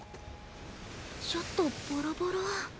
ちょっとボロボロ。